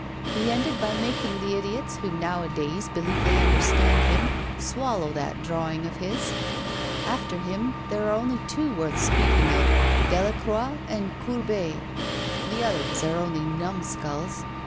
He ended by making the idiots, who nowadays believe they understand him, swallow that drawing of his. After him there are only two worth speaking of, Delacroix and Courbet. The others are only numskulls.